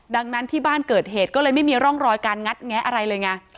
ดังนั้นที่บ้านเกิดเหตุก็เลยไม่มีร่องรอยการงัดแงะอะไรเลยไง